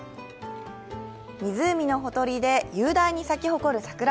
湖のほとりで雄大に咲き誇る桜。